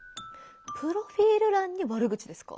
プロフィール欄に悪口ですか？